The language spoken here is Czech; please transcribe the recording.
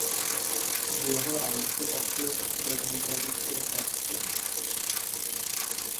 V jeho rámci patřil do demokratické frakce.